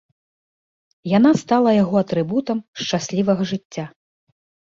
Яна стала яго атрыбутам шчаслівага жыцця.